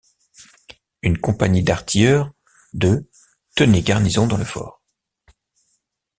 Une compagnie d'artilleurs de tenait garnison dans le fort.